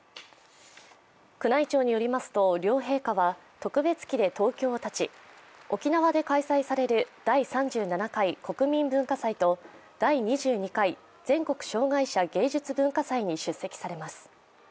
宮内庁によりますと、両陛下は特別機で東京をたち沖縄で開催される第３７回国民文化祭と第２２回全国障害者芸術・文化祭に出席されます。